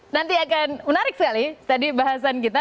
nanti akan menarik sekali tadi bahasan kita